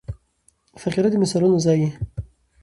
فقره د مثالونو ځای يي.